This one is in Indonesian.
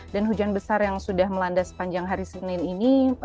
dan hujan besar yang sudah melanda sepanjang hari senin ini